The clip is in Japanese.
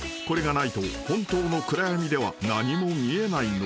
［これがないと本当の暗闇では何も見えないのだ］